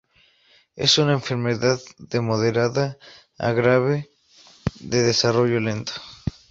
Es una enfermedad de moderada a grave, de desarrollo lento.